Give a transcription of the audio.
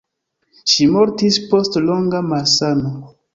Ŝi mortis post longa malsano.